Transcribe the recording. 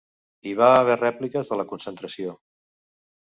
Hi va haver rèpliques de la concentració.